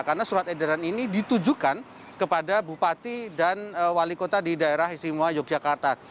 karena surat edaran ini ditujukan kepada bupati dan wali kota di daerah sema yogyakarta